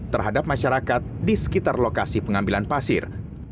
terhadap masyarakat di sekitar lokasi pengambilan pasir